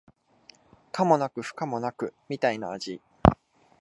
可もなく不可もなくみたいな味